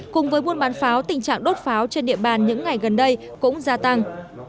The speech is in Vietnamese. cùng với buôn bán pháo tình trạng đốt pháo trên địa bàn những ngày gần đây cũng gia tăng